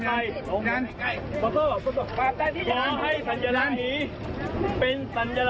ขอความสะดุนาย